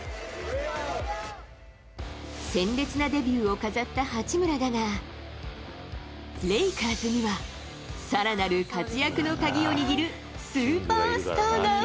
鮮烈なデビューを飾った八村だが、レイカーズには、さらなる活躍の鍵を握るスーパースターが。